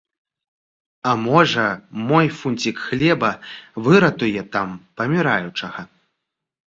А можа, мой фунцiк хлеба выратуе там памiраючага...